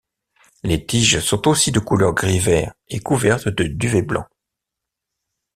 Les tiges sont aussi de couleur gris-vert et couvertes de duvet blanc.